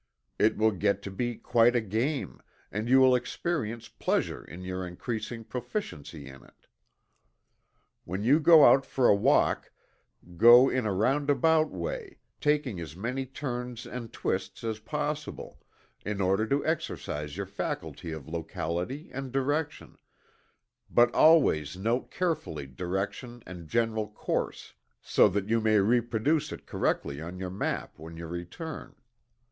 It will get to be quite a game, and you will experience pleasure in your increasing proficiency in it. When you go out for a walk, go in a round about way, taking as many turns and twists as possible, in order to exercise your faculty of locality and direction but always note carefully direction and general course, so that you may reproduce it correctly on your map when you return.